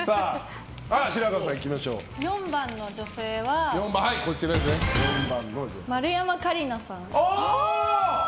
４番の女性、丸山桂里奈さん。